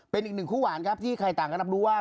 เป็นอีกหนึ่งคู่หวานครับที่ใครต่างก็รับรู้ว่า